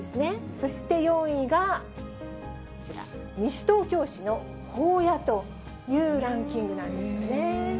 そして４位がこちら、西東京市の保谷というランキングなんですよね。